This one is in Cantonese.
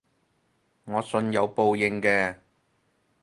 我信有報應嘅